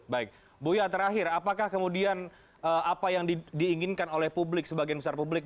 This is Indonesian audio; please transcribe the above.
baik buya terakhir apakah kemudian apa yang diinginkan oleh publik sebagian besar publik